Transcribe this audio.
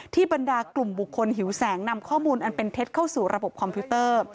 บรรดากลุ่มบุคคลหิวแสงนำข้อมูลอันเป็นเท็จเข้าสู่ระบบคอมพิวเตอร์